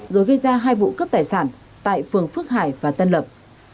rồi gây ra hai vụ cướp tài sản tại phường phước hải và tân lập